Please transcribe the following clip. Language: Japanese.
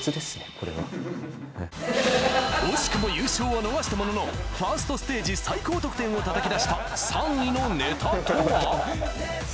これは惜しくも優勝は逃したもののファーストステージ最高得点を叩き出した３位のネタとは？